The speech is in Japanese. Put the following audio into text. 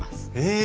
え！